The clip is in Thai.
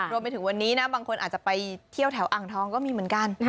รวมไปถึงวันนี้นะบางคนอาจจะไปเที่ยวแถวอ่างทองก็มีเหมือนกัน